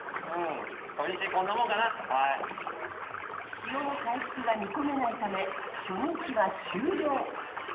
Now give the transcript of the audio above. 潮の回復が見込めないため初日は終了。